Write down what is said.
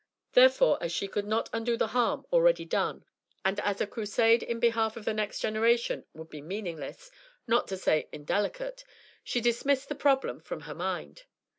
Therefore, as she could not undo the harm already done, and as a crusade in behalf of the next generation would be meaningless, not to say indelicate, she dismissed the "problem" from her mind.